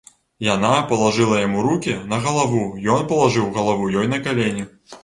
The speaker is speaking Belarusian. Яна палажыла яму рукі на галаву, ён палажыў галаву ёй на калені.